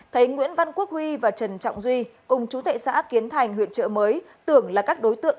thấy nguyễn văn quốc huy và trần trọng duy cùng chú tệ xã kiến thành huyện trợ mới tưởng là các đối tượng